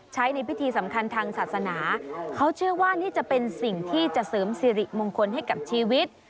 ใช้ในพิธีสำคัญทางศาสนาเขาเชื่อว่านี่จะเป็นสิ่งที่จะเสริมสิริมงคลให้กับชีวิต